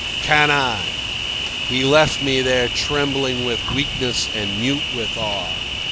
Canaille! ..." He left me there trembling with weakness and mute with awe.